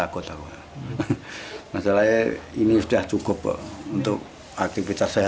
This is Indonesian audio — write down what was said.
gas di sini